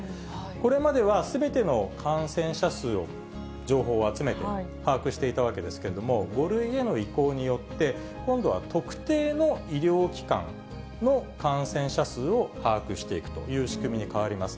これまではすべての感染者数を情報を集めて把握していたわけですけれども、５類への移行によって、今度は特定の医療機関の感染者数を把握していくという仕組みに変わります。